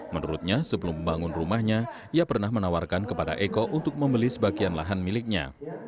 menurutnya sebelum membangun rumahnya ia pernah menawarkan kepada eko untuk membeli sebagian lahan miliknya